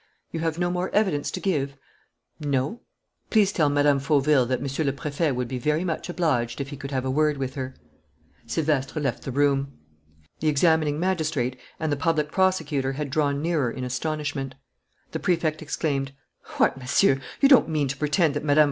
"You have no more evidence to give?" "No." "Please tell Mme. Fauville that Monsieur le Préfet would be very much obliged if he could have a word with her." Silvestre left the room. The examining magistrate and the public prosecutor had drawn nearer in astonishment. The Prefect exclaimed: "What, Monsieur! You don't mean to pretend that Mme.